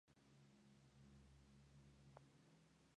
Estudió en el Colegio del Verbo Divino.